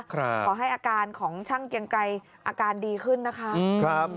ขอให้อาการของช่างเกียงไกรอาการดีขึ้นนะคะ